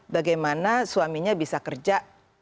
bagaimana suaminya bisa kerja